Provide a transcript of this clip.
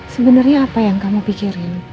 sebenarnya apa yang kamu pikirin